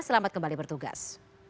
selamat kembali bertugas